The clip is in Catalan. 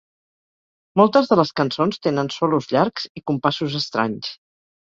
Moltes de les cançons tenen solos llargs i compassos estranys.